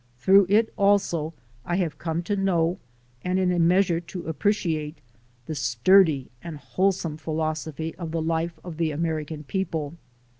Through it also I have come to know, and in a measure to appropriate, the sturdy and wholesome philosophy of the life of the American people.